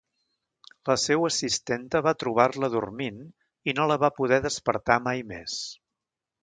La seua assistenta va trobar-la dormint i no la va poder despertar mai més.